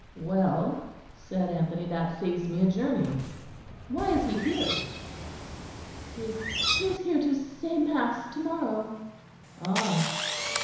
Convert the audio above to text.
"Well," said Anthony, "that saves me a journey. Why is he here?" "He is here to say mass to morrow." "Ah!"